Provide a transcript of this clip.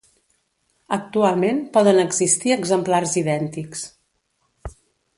Actualment poden existir exemplars idèntics.